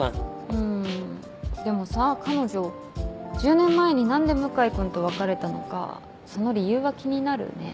うんでもさ彼女１０年前に何で向井君と別れたのかその理由は気になるね。